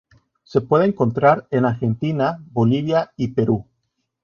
Se puede encontrar en Argentina, Bolivia y Perú.